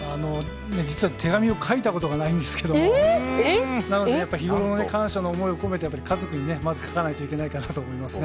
実は手紙を書いたことがないんですけどなので、やっぱり日ごろの感謝の思いを込めて家族にまず書かないといけないかなと思いますね。